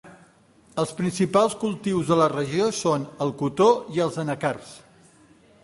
Els principals cultius de la regió són el cotó i els anacards.